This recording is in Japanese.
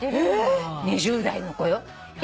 ２０代の子よ。